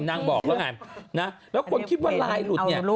บอกแล้วไงนะแล้วคนคิดว่าไลน์หลุดเนี่ย